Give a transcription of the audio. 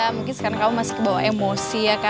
mungkin karena kamu masih kebawa emosi ya kan